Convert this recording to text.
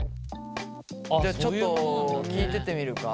じゃあちょっと聞いてってみるか。